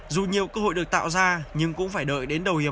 dù nhiều cơ hội được tạo ra nhưng cũng phải đợi đến đầu hiệp